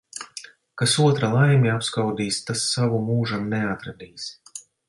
Kas otra laimi apskaudīs, tas savu mūžam neatradīs.